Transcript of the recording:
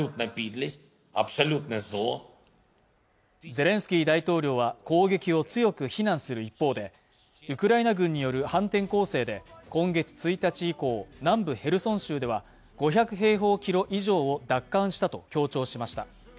ゼレンスキー大統領は攻撃を強く非難する一方でウクライナ軍による反転攻勢で今月１日以降南部ヘルソン州では５００平方キロ以上を奪還したと強調しました